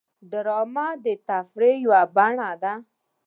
ډرامه د تفریح یوه بڼه ده